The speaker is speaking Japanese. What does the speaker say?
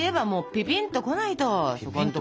ピピンとこないと？